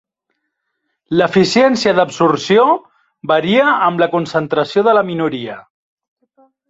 L'eficiència d'absorció varia amb la concentració de la minoria.